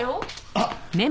あっ！